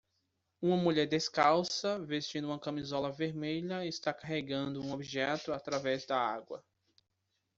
Uma mulher descalça, vestindo uma camisola vermelha está carregando um objeto através da água